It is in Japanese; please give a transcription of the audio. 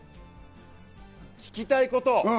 聞きたいこと？